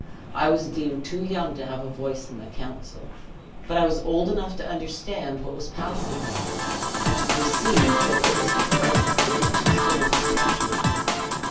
I was deemed too young to have a voice in the council; but I was old enough to understand what was passing there, and to perceive, that it was the price for which he sold his country.